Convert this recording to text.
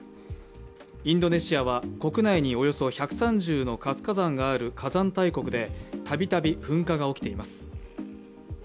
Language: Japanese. インドネシアは国内におよそ１３０の活火山がある火山大国でたびたび噴火が起きています。